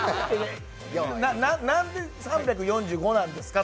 なんで３４５なんですか。